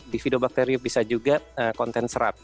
bifidobacteriut bisa juga konten serat